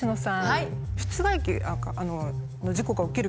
はい！